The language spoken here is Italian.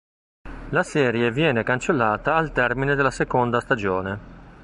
La serie viene cancellata al termine della seconda stagione.